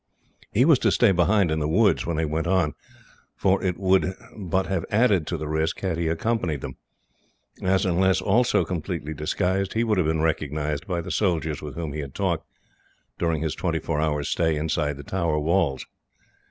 He was to stay behind in the wood, when they went on, for it would but have added to the risk had he accompanied them, as, unless also completely disguised, he would have been recognised by the soldiers with whom he had talked, during his twenty four hours' stay inside the Tower walls.